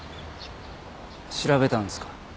調べたんですか？